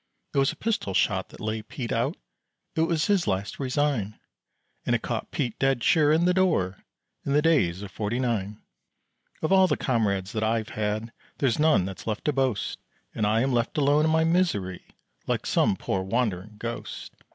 It was a pistol shot that lay Pete out, It was his last resign, And it caught Pete dead sure in the door In the days of Forty Nine. Of all the comrades that I've had There's none that's left to boast, And I am left alone in my misery Like some poor wandering ghost.